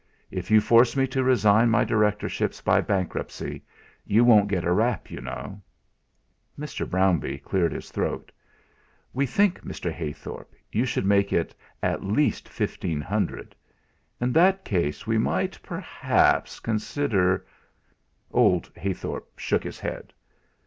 If you force me to resign my directorships by bankruptcy, you won't get a rap, you know." Mr. Brownbee cleared his throat: "We think, Mr. Heythorp, you should make it at least fifteen hundred. In that case we might perhaps consider " Old Heythorp shook his head.